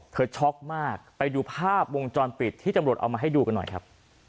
ช็อกมากไปดูภาพวงจรปิดที่ตำรวจเอามาให้ดูกันหน่อยครับ